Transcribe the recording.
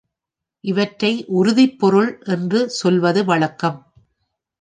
இவற்றை உறுதிப் பொருள் என்று சொல்வது வழக்கம்.